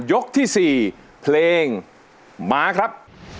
ยกที่๔เพลงมาครับ